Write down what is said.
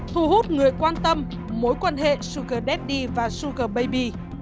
thu hút người quan tâm mối quan hệ sugar daddy và sugar baby